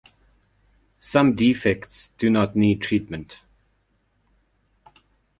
Some defects do not need treatment.